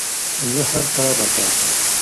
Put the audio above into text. زه هر سهار راپاڅم.